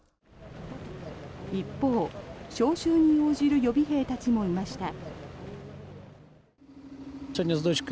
一方、招集に応じる予備兵たちもいました。